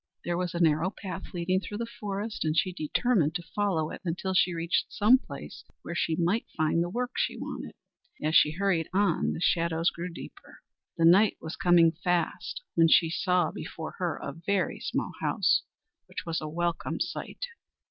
There was a narrow path leading through the forest, and she determined to follow it until she reached some place where she might find the work she wanted. As she hurried on, the shadows grew deeper. The night was coming fast when she saw before her a very small house, which was a welcome sight.